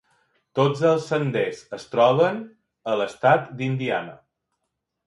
Tots els senders es troben a l'estat d'Indiana.